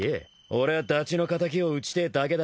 俺はダチの敵を討ちてえだけだよ。